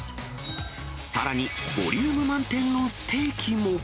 さらに、ボリューム満点のステーキも。